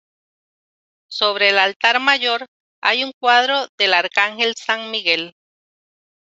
Sobre el altar mayor hay un cuadro del arcángel San Miguel.